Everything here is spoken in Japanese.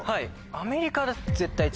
アメリカ